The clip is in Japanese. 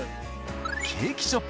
ケーキショップ